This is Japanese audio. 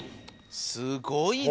すごいな！